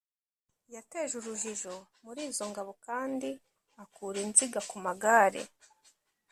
yateje urujijo muri izo ngabo kandi akura inziga ku magare